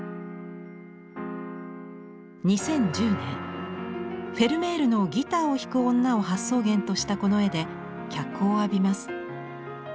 ２０１０年フェルメールのギターを弾く女を発想源としたこの絵で脚光を浴びます。